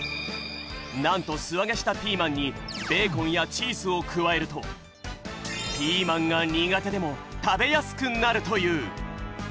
なんとすあげしたピーマンにベーコンやチーズを加えるとピーマンが苦手でも食べやすくなるという！